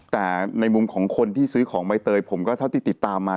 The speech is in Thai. แต่ในมุมของคนที่ซื้อของใบเตยผมก็เท่าที่ติดตามมา